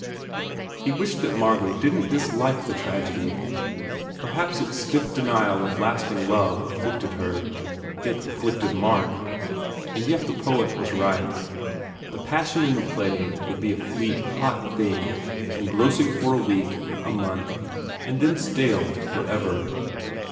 He wished that Margot didn t dislike the tragedy. Perhaps its stiff denial of lasting love afflicted her. It afflicted Mark. And yet the poet was right. The passion in the play would be a fleet, hot thing, engrossing for a week, a month and then stale for ever.